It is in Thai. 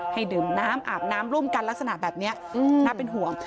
ให้ดื่มน้ำอาบน้ำร่วมกันลักษณะแบบนี้น่าเป็นห่วง